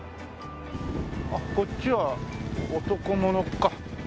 こっちは男物か。